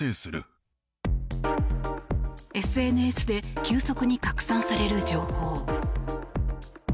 ＳＮＳで急速に拡散される情報。